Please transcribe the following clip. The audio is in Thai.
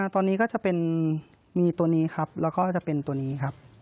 ตอนนี้ก็จะเป็นมีตัวนี้ครับแล้วก็จะเป็นตัวนี้ครับ